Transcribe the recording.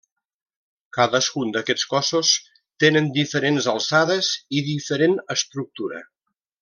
Cadascun d'aquests cossos tenen diferents alçades i diferent estructura.